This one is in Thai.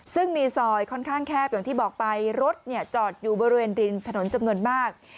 ซึ่งมีซอยค่อนข้างแคบอย่างที่บอกไปรถจอดอยู่บริเวณริมถนนจำนวนมาก